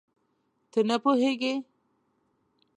ته نه پوهېږې؟